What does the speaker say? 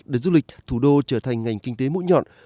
để du lịch thủ đô trở thành ngành kinh tế mũi nhọn